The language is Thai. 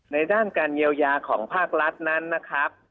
ในด้านการเยียวยาของภาครัฐนั้นนะครับ